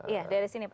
iya dari sini pak